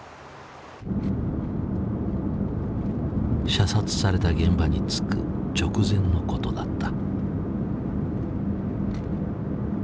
射殺された現場に着く直前のことだった。